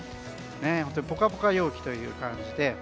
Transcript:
本当にポカポカ陽気という感じで。